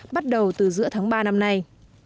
bắt đầu từ giữa tháng ba năm nay